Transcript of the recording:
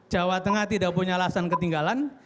jawa tengah tidak punya alasan ketinggalan